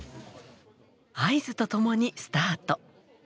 合図とともにスタート。